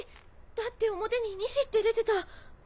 だって表に「西」って出てた。